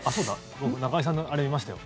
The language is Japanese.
僕、中居さんのあれ見ましたよ。